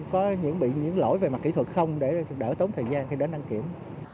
có những lỗi về mặt kỹ thuật không để đỡ tốn thời gian khi đến đăng kiểm